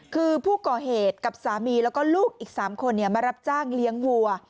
คือผู้ก่อเหตุกับสามีแล้วก็ลูกอีก๓คนมารับจ้างเลี้ยงวัว